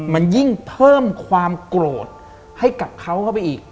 มันยิ่งเพิ่มความโกรธให้กับเขาเข้าไปอีก